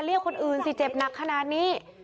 เรียกคนอื่นสิเจ็บหนักขนาดนี้